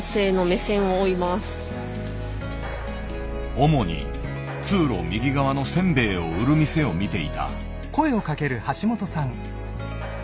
主に通路右側のせんべいを売る店を見ていた。